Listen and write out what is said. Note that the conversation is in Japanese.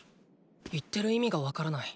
言ってる意味がわからない。